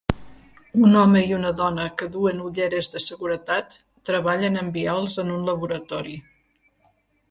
Un home i una dona que duen ulleres de seguretat treballen amb vials en un laboratori.